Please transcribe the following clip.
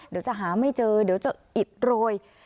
เดี๋ยวจะหาไม่เจอเดี๋ยวจะอิดโรย